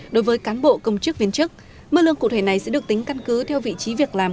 đối với cán bộ công chức viên chức mức lương cụ thể này sẽ được tính căn cứ theo vị trí việc làm